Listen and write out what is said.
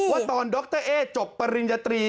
ว่าตอนดรเอ๊จบปริญญาตรี